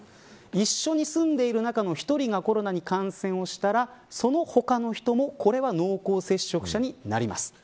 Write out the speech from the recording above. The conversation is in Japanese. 一緒に住んでいる中の１人がコロナに感染したらその他の人もこれは濃厚接触者になります。